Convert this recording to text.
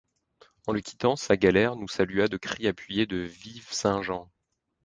En le quittant, sa galère nous salua de cris appuyés de “Vive Saint-Jean”.